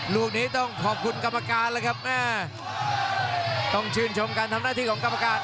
ลูกนี้ต้องขอบคุณกรรมการแล้วครับแม่ต้องชื่นชมการทำหน้าที่ของกรรมการ